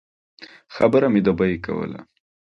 خبره مې د بیې کوله.